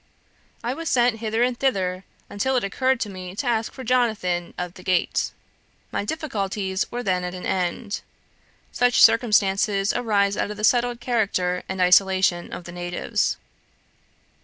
I was sent hither and thither, until it occurred to me to ask for 'Jonathan o' th' Gate.' My difficulties were then at an end. Such circumstances arise out of the settled character and isolation of the natives.